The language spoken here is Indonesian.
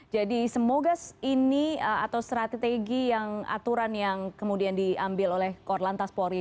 jadi semoga ini atau strategi yang aturan yang kemudian diambil oleh korlantas polri